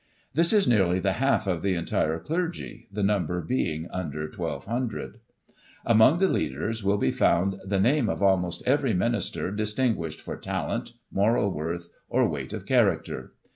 This is nearly the half of the entire clergy, the number being under 1,200. Among the Digiti ized by Google i843] FREE KIRK. 215 leaders will be found the name of almost every minister dis tinguished for talent, moral worth, or weight of character.